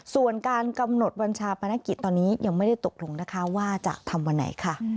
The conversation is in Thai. ส่วนการกำหนดวันชาปนกิจตอนนี้ยังไม่ได้ตกลงนะคะว่าจะทำวันไหนค่ะ